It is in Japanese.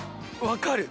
分かる！